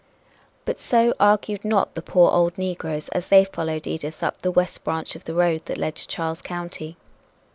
But so argued not the poor old negroes, as they followed Edith up the west branch of the road that led to Charles County.